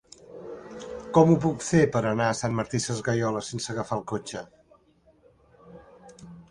Com ho puc fer per anar a Sant Martí Sesgueioles sense agafar el cotxe?